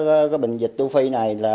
nói chung là cái bệnh dịch tu phi này